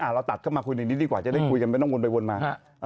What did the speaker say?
เราตัดเข้ามาคุยอย่างนี้ดีกว่าจะได้คุยกันไม่ต้องวนไปวนมา